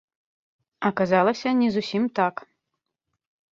Аказалася, не зусім так.